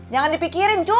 jangan dipikirin cu